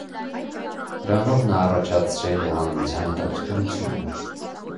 Դրանով նա առաջացրել է հանրության հետաքրքրությունը։